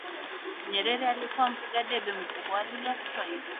Nyerere alikuwa mpiga debe mkubwa wa Lugha ya kiwahili